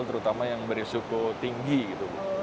terutama yang berisiko tinggi gitu